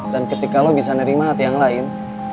dan ketika lo bisa nerima hati yang lain